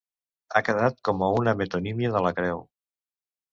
Ha quedat com una metonímia de la creu.